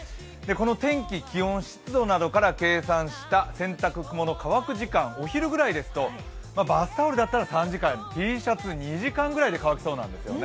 この天気、気温、湿度などから計算した洗濯物乾く時間、お昼ぐらいですとバスタオルだったら３時間、Ｔシャツ２時間ぐらいで乾きそうです。